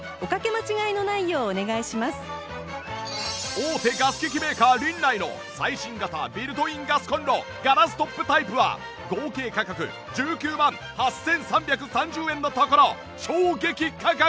大手ガス機器メーカーリンナイの最新型ビルトインガスコンロガラストップタイプは合計価格１９万８３３０円のところ衝撃価格！